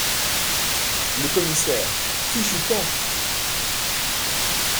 Le Commissaire Fichu temps !…